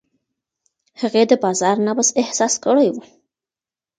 هغې د بازار نبض احساس کړی و.